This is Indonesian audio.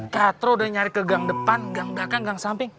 katro udah nyari ke gang depan ganggang gang samping